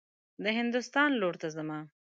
د هندوستان لور ته حمه.